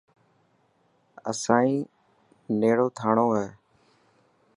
اسانڻي نيڙو ٿانڙو هي.